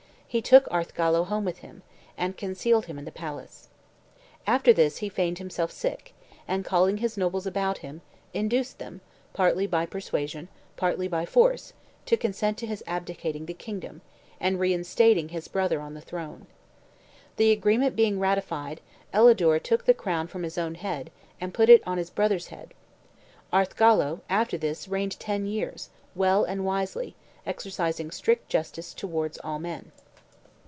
He took Arthgallo home with him, and concealed him in the palace. After this he feigned himself sick, and, calling his nobles about him, induced them, partly by persuasion, partly by force, to consent to his abdicating the kingdom, and reinstating his brother on the throne. The agreement being ratified, Elidure took the crown from his own head, and put it on his brother's head. Arthgallo after this reigned ten years, well and wisely, exercising strict justice towards all men.